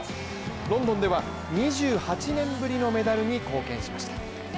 ロンドンでは２８年ぶりのメダルに貢献しました。